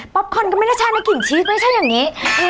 ป๊อปคอร์นก็ไม่น่าใช่นะกลิ่นชีสไม่ใช่อย่างนี้